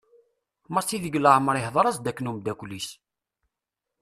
Massi deg leɛmer ihder-as-d akken umddakel-is.